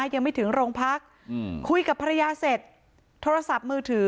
ยังไม่ถึงโรงพักคุยกับภรรยาเสร็จโทรศัพท์มือถือ